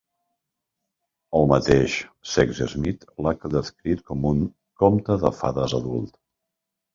El mateix Sexsmith l'ha descrit com un "comte de fades adult".